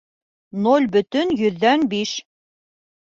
Ноль бөтөн йөҙҙән биш